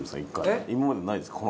今までないですか？